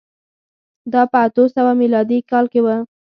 دا په اتو سوه میلادي کال کې و